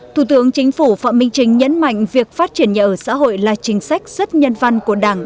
thủ tướng chính phủ phạm minh chính nhấn mạnh việc phát triển nhà ở xã hội là chính sách rất nhân văn của đảng